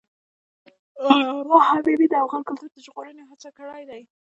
علامه حبیبي د افغان کلتور د ژغورنې هڅې کړی دي.